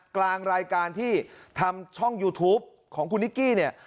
กลางรายการที่ทำช่องยูทูปของคุณนิกกี้เนี่ย